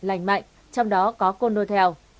lành mạnh trong đó có condotel